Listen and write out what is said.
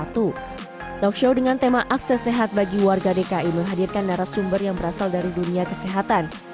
talkshow dengan tema akses sehat bagi warga dki menghadirkan narasumber yang berasal dari dunia kesehatan